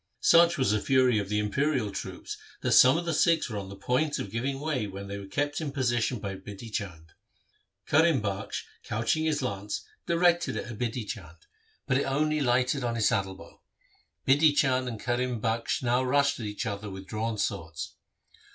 Such was the fury of the imperial troops that some of the Sikhs were on the point of giving way when they were kept in position by Bidhi Chand. Karim Bakhsh couching his lance directed it at Bidhi Chand, SIKH. IV I ii4 THE SIKH RELIGION but it only lighted on his saddle bow. Bidhi Chand and Karim Bakhsh now rushed at each other with drawn swords.